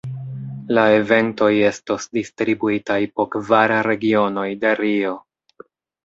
La eventoj estos distribuitaj po kvar regionoj de Rio.